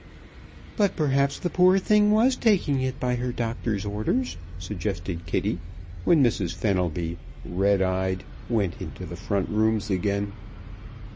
"But perhaps the poor thing was taking it by her doctor's orders," suggested Kitty, when Mrs. Fenelby, red eyed, went into the front rooms again.